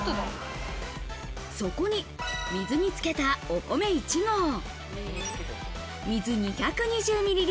そこに水につけたお米１合、水２２０ｍｌ。